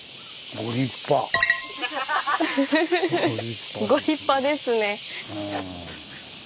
ご立派ですね。